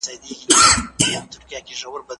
د ناروغ په شا کې درد د مسمومیت له بنسټیزو نښو نه دی.